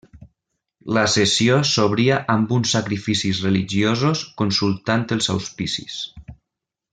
La sessió s'obria amb uns sacrificis religiosos consultant els auspicis.